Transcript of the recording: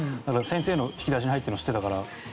先生の引き出しに入ってるのを知ってたから抜いて。